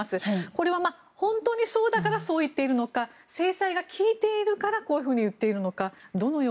これは本当にそうだからそう言っているのか制裁が効いているからこう言っているのか